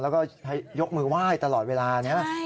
แล้วก็ยกมือไหว้ตลอดเวลานะ